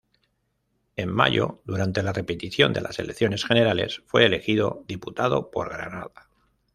En mayo, durante la repetición de las elecciones generales, fue elegido diputado por Granada.